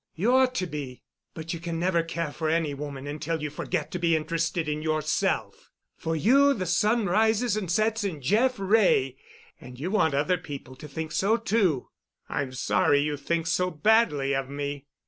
You ought to be. But you can never care for any woman until you forget to be interested in yourself. For you the sun rises and sets in Jeff Wray, and you want other people to think so, too." "I'm sorry you think so badly of me."